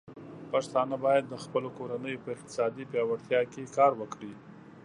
پښتانه بايد د خپلو کورنيو په اقتصادي پياوړتيا کې کار وکړي.